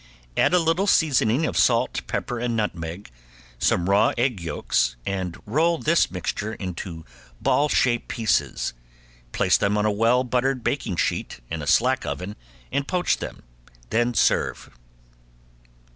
Add a little seasoning of salt, pepper and nutmeg, some raw egg yolks, and roll this mixture into ball shape pieces, place them on a well buttered baking sheet in a slack oven and poach them, then serve.